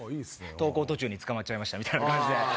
登校途中に捕まっちゃいましたみたいな感じで。